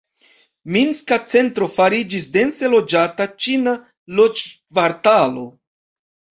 Minska centro fariĝis dense loĝata ĉina loĝkvartalo.